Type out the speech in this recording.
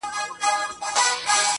زما و فكر ته هـا سـتا د كور كوڅـه راځي.